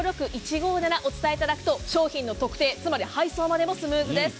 ５６１５７、お伝えいただくと商品の特定配送までスムーズです。